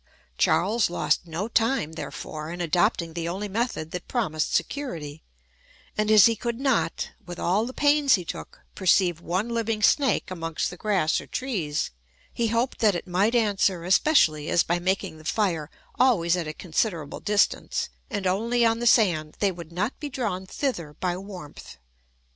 Charles lost no time, therefore, in adopting the only method that promised security; and as he could not (with all the pains he took) perceive one living snake amongst the grass or trees, he hoped that it might answer, especially, as by making the fire always at a considerable distance, and only on the sand, they would not be drawn thither by warmth.